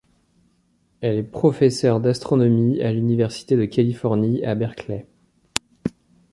Elle est professeure d'astronomie à l'Université de Californie à Berkeley.